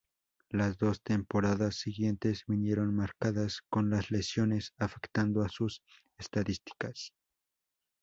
Las dos temporadas siguientes vinieron marcadas por las lesiones, afectando a sus estadísticas.